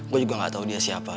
gue juga gak tahu dia siapa